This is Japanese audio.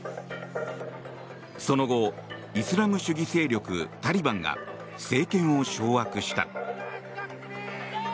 その後、イスラム主義勢力タリバンが政権を掌握した。